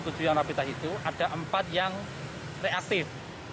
dari satu ratus dua puluh tujuh yang rapi tes itu ada empat yang reaktif